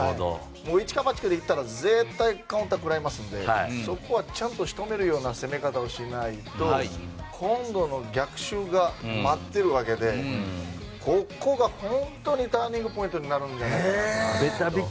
一か八かでいったら絶対にカウンターを食らいますのでそこはちゃんと仕留めるような攻め方をしないと今度は逆襲が待っているわけでここが本当にターニングポイントになるんじゃないかなと。